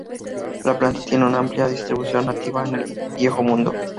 La planta tiene una amplia distribución nativa en el Viejo Mundo.